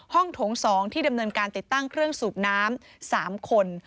โถง๒ที่ดำเนินการติดตั้งเครื่องสูบน้ำ๓คน